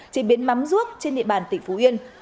chế biến mắm rút trên địa bàn tỉnh phú yên